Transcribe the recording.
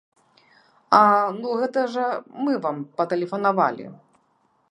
А, ну гэта жа мы вам патэлефанавалі.